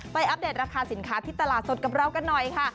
อัปเดตราคาสินค้าที่ตลาดสดกับเรากันหน่อยค่ะ